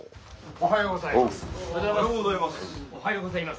おはようございます。